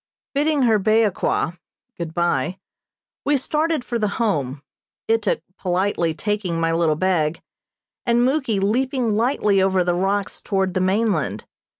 Bidding her Beoqua (good bye), we started for the Home, Ituk politely taking my little bag, and Muky leaping lightly over the rocks toward the mainland.